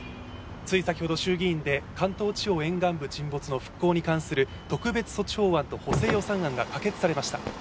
つい先ほど衆議院で関東地方沿岸部沈没の復興に関する特別措置法案と補正予算案が可決されました